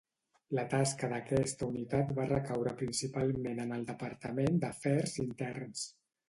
La tasca d’aquesta unitat va recaure principalment en el departament d’afers interns.